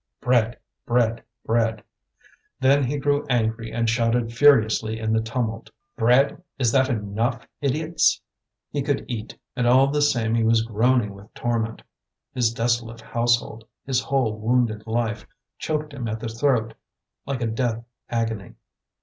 "Bread! bread! bread!" Then he grew angry and shouted furiously in the tumult: "Bread! is that enough, idiots!" He could eat, and all the same he was groaning with torment. His desolate household, his whole wounded life, choked him at the throat like a death agony.